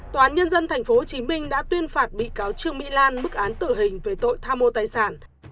tòa án nhân dân tp hcm đã tuyên phạt bị cáo trương mỹ lan mức án tử hình về tội tham mô tài sản